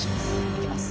いきます。